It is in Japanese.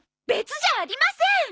別じゃありません！